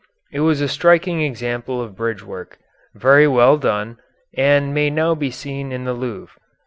It was a striking example of bridgework, very well done, and may now be seen in the Louvre.